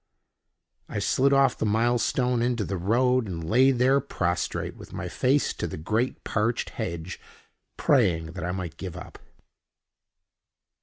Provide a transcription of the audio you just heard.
I slid off the milestone into the road, and lay there prostrate, with my face to the great parched hedge, praying that I might give up.